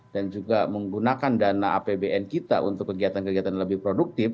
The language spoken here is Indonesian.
dan juga menggunakan dana apbn kita untuk kegiatan kegiatan lebih produktif